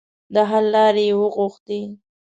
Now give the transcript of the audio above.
د حل لارې یې وغوښتې.